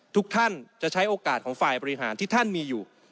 ทุกท่านจะใช้โอกาสของฝ่ายบริหารที่ท่านมีอยู่